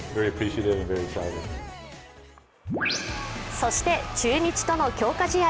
そして中日との強化試合。